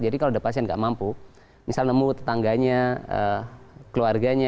jadi kalau ada pasien yang tidak mampu misalnya nemu tetangganya keluarganya